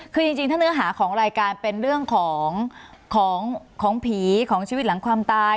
คือจริงถ้าเนื้อหาของรายการเป็นเรื่องของของผีของชีวิตหลังความตาย